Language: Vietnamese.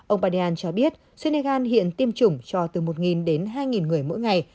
ông badian cho biết senegal hiện tiêm chủng cho từ một đến hai người mỗi ngày